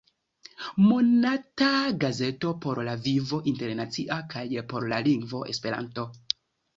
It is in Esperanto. Monata gazeto por la vivo internacia kaj por la lingvo Esperanto.